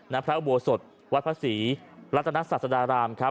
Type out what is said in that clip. นักพระอบวสดิ์วัดพระศรีรัฐนักศาสนราม